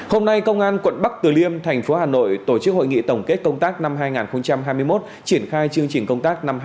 hôm nay công an quận bắc từ liêm thành phố hà nội tổ chức hội nghị tổng kết công tác năm hai nghìn hai mươi một triển khai chương trình công tác năm hai nghìn hai mươi bốn